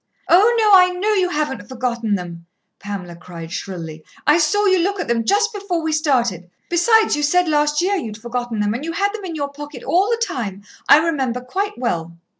"Oh, no, I know you haven't forgotten them," Pamela cried shrilly. "I saw you look at them just before we started. Besides, you said last year you'd forgotten them, and you had them in your pocket all the time. I remember quite well."